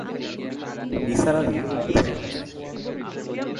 নিসার আলি রোগীর কাছে ফিরে এলেন।